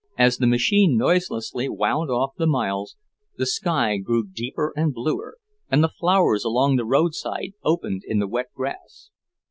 As the machine noiselessly wound off the miles, the sky grew deeper and bluer, and the flowers along the roadside opened in the wet grass.